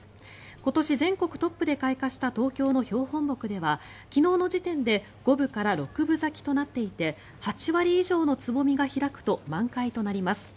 今年全国トップで開花した東京の標本木では昨日の時点で五分から六分咲きとなっていて８割以上のつぼみが開くと満開となります。